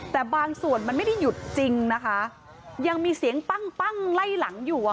แต่บางส่วนมันไม่ได้หยุดจริงนะคะยังมีเสียงปั้งปั้งไล่หลังอยู่อ่ะ